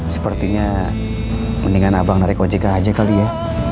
sepertinya mendingan abang narik ojk aja kali ya